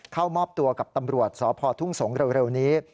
เข้ามอบตัวกับตำรวจสพทุ่งสงศ์เร็วนี้